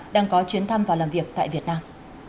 đang có chuyến thăm và làm việc tại việt nam